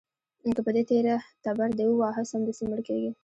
که په دې تېره تبر دې وواهه، سمدستي مړ کېږي.